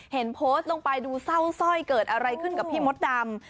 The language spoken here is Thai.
เห็นโพสต์ลงไปดูเศร้าสร้อยเกิดอะไรขึ้นกับพี่มดดำ